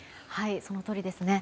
そのとおりですね。